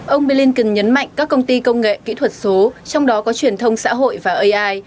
ông blinken nhấn mạnh các công ty công nghệ kỹ thuật số trong đó có truyền thông xã hội và ai